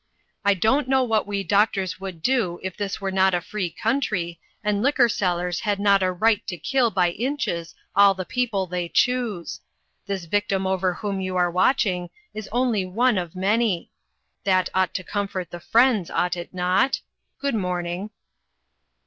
I don't know what we doctors would do if this were not a free country, and liquor sellers had not a right to kill by inches all the people they choose. This victim over whom you are watching is only one of many. That ought to comfort the friends, ought it not? Good morning."